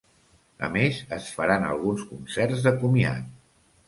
A més, es faran alguns concerts de comiat.